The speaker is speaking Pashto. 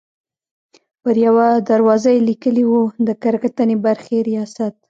پر یوه دروازه یې لیکلي وو: د کره کتنې برخې ریاست.